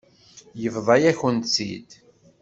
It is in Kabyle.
Yebḍa-yakent-tt-id.